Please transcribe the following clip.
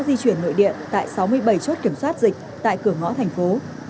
di chuyển nội địa tại sáu mươi bảy chốt kiểm soát dịch tại cửa ngõ thành phố